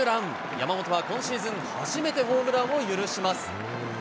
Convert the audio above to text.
山本は今シーズン初めてホームランを許します。